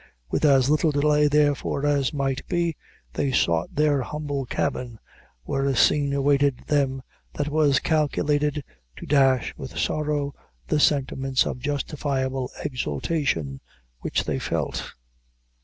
With as little delay, therefore, as might be, they sought their humble cabin, where a scene awaited them that was calculated to dash with sorrow the sentiments of justifiable exultation which they felt.